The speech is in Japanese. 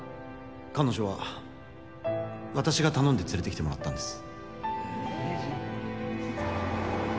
彼女は私が頼んで連れてきてもらったんです。